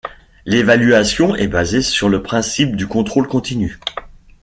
L’évaluation est basée sur le principe du contrôle continu.